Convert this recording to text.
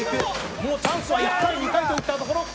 もうチャンスは１回、２回といったところ。